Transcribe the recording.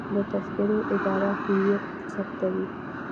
د تذکرو اداره هویت ثبتوي